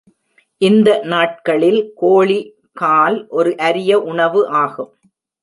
இந்த நாட்களில் கோழி கால் ஒரு அரிய உணவு ஆகும்.